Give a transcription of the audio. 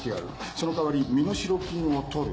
その代わり身代金を取る。